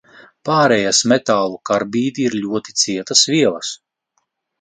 Pārejas metālu karbīdi ir ļoti cietas vielas.